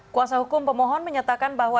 kuasa hukum pemohon menyatakan bahwa